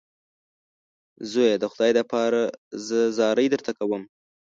زویه د خدای دپاره زه زارۍ درته کوم.